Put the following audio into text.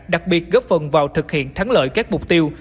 đặc biệt góp phần vào thực hiện thắng lợi các mục tiêu